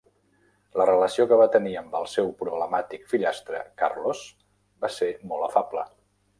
La relació que va tenir amb el seu problemàtic fillastre, Carlos, va ser molt afable.